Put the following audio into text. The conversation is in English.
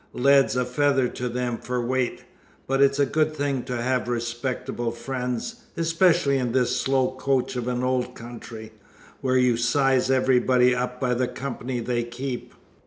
Lead's a feather to them for weight. But it's a good thing to have respectable friends, especially in this slow coach of an old country, where you size everybody up by the company they keep."